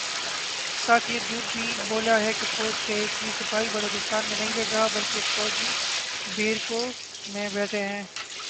ساتھ یہ جھوٹ بھی بولا ہے کہ فوج کا ایک بھی سپاہی بلوچستان میں نہیں لڑ رہا بلکہ فوجی بیرکوں میں بیٹھے ہیں